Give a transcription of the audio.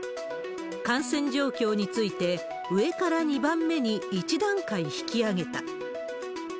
感染状況について、上から２番目に１段階引き上げた。